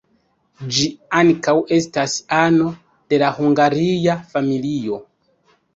Ĝi ankaŭ estas ano de la Hungaria familio.